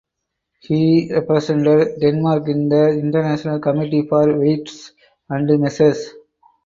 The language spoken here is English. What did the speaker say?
He represented Denmark in the International Committee for Weights and Measures.